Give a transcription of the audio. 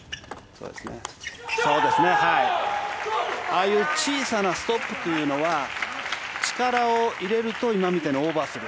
ああいう小さなストップは力を入れると今みたいにオーバーする。